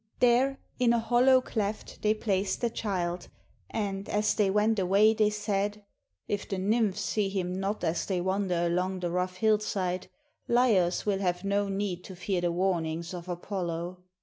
There, in a hollow cleft, they placed the child, and, as they went away, they said, "If the n3rmphs see him not as they wander along the rough hillside, Laios will have no need to fear the warnings of Apollo."